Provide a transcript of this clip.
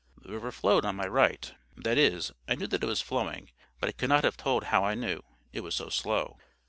The river flowed on my right. That is, I knew that it was flowing, but I could not have told how I knew, it was so slow.